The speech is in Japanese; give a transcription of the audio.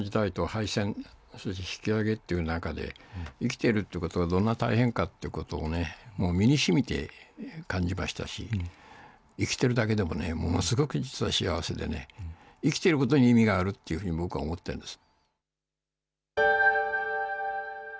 やっぱり戦争の時代と敗戦、そして引き揚げっていう中で、生きているということはどんな大変かということをね、もう身にしみて感じましたし、生きてるだけでもね、ものすごく幸せでね、生きてることに意味があるっていうふうに僕は思っています。